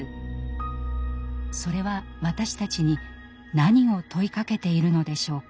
それは私たちに何を問いかけているのでしょうか。